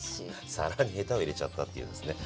皿にヘタを入れちゃったっていうんすね。